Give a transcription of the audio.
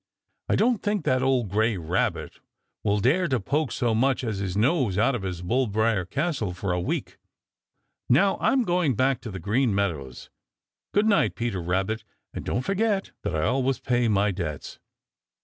I don't think that old gray Rabbit will dare to poke so much as his nose out of his bull briar castle for a week. Now I am going back to the Green Meadows, Good night, Peter Rabbit, and don't forget that I always pay my debts."